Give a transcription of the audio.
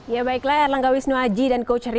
ya baiklah erlangga wisnu aji dan coach handra